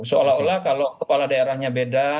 seolah olah kalau kepala daerahnya beda